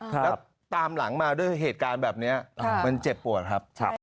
แล้วตามหลังมาด้วยเหตุการณ์แบบนี้มันเจ็บปวดครับ